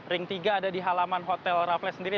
ring tiga ada di halaman hotel raffles sendiri